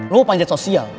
lo mau panjat sosial